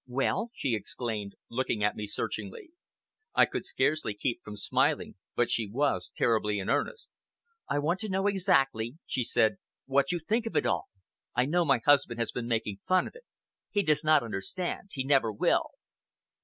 "Well!" she exclaimed, looking at me searchingly, I could scarcely keep from smiling, but she was terribly in earnest. "I want to know exactly," she said, "what you think of it all. I know my husband has been making fun of it. He does not understand. He never will."